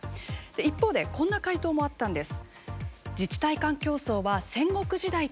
一方でこんな回答もあったんです。